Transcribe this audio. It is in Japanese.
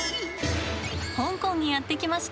香港にやって来ました。